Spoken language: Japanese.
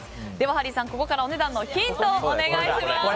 ハリーさん、ここからはお値段のヒントをお願いします。